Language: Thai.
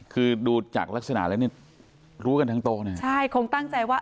คือดูจากลักษณะแล้วนี่รู้กันทั้งโต๊ะเนี่ยใช่คงตั้งใจว่า